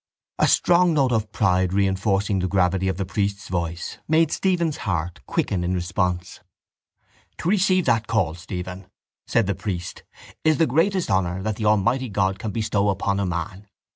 A strong note of pride reinforcing the gravity of the priest's voice made Stephen's heart quicken in response. To receive that call, Stephen, said the priest, is the greatest honour that the Almighty God can bestow upon a man.